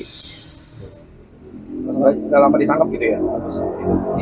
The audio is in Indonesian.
udah lama ditangkep gitu ya